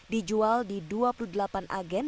dijual di dua puluh delapan agen